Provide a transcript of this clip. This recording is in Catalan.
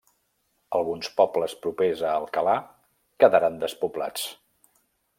Alguns pobles propers a Alcalà quedaren despoblats.